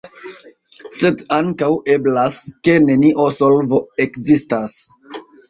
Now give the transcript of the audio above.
Sed ankaŭ eblas, ke nenio solvo ekzistas.